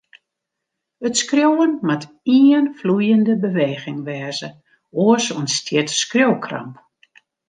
It skriuwen moat ien floeiende beweging wêze, oars ûntstiet skriuwkramp.